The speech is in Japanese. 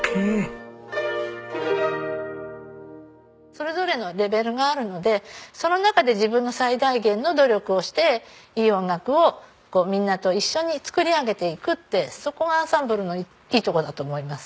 それぞれのレベルがあるのでその中で自分の最大限の努力をしていい音楽をみんなと一緒に作り上げていくってそこがアンサンブルのいいところだと思います。